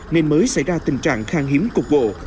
nên mới xảy ra tình trạng khang hiếm cục bộ